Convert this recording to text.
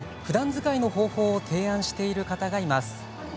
遊山箱に魅せられふだん使いの方法を提案している方がいます。